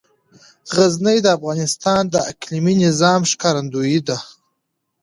غزني د افغانستان د اقلیمي نظام ښکارندوی ده.